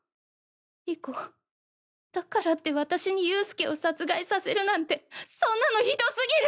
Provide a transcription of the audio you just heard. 莉子だからって私に佑助を殺害させるなんてそんなのひどすぎる！